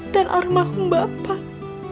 dan orang mahum bapak